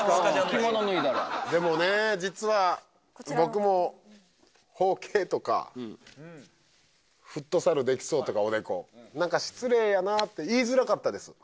着物脱いだらでもね実は僕も包茎とかフットサルできそうとかおでこ失礼やなって言いづらかったです